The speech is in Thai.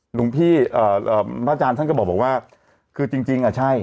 หลวงพี่เอ่อพระอาจารย์ท่านก็บอกว่าคือจริงจริงอ่ะใช่